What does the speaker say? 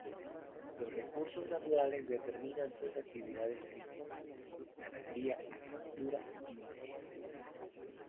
Los recursos naturales determinan tres actividades principales: ganadería, agricultura y minería.